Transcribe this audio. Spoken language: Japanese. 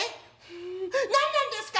「ん何なんですか！？」。